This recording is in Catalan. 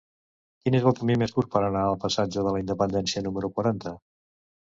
Quin és el camí més curt per anar al passatge de la Independència número quaranta?